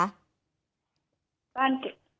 บ้าน